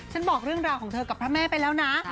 บอกเรื่องราวของเธอกับพระแม่ไปแล้วนะ